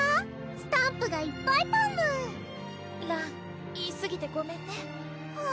スタンプがいっぱいパムらん言いすぎてごめんねは